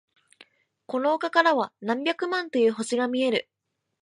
この丘からは何百万という星が見える。